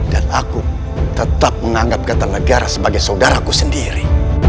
dan aku tetap menganggap kata negara sebagai saudaraku sendiri